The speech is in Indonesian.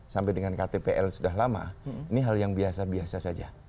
sampai dengan ktpl sudah lama ini hal yang biasa biasa saja